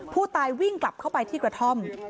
ผู้ตายวิ่งกลับเข้าไปที่กระท่อม